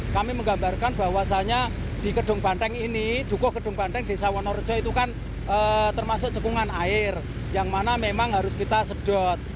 kami menggambarkan bahwasannya di gedung banteng ini dukuh gedung banteng desa wonorejo itu kan termasuk cekungan air yang mana memang harus kita sedot